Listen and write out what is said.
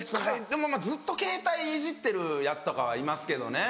でもずっとケータイいじってるヤツとかはいますけどね。